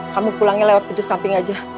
kamu pulangnya lewat pintu samping aja